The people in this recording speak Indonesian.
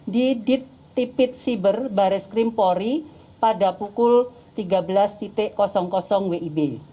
di dipit siber baris krim polri pada pukul tiga belas wib